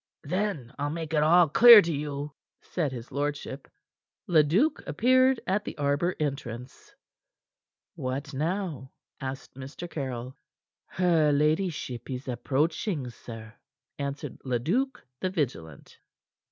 "Then I'll make it all clear to you," said his lordship. Leduc appeared at the arbor entrance. "What now?" asked Mr. Caryll. "Her ladyship is approaching, sir," answered Leduc the vigilant.